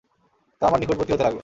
তা আমার নিকটবর্তী হতে লাগল।